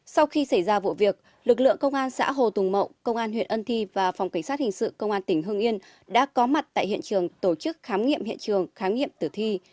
sau khi xảy ra vụ việc lực lượng công an xã hồ tùng mậu công an huyện ân thi và phòng cảnh sát hình sự công an tỉnh hưng yên đã có mặt tại hiện trường tổ chức khám nghiệm hiện trường khám nghiệm tử thi